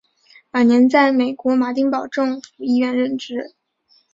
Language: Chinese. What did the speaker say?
晚年在美国马丁堡政府医院任职。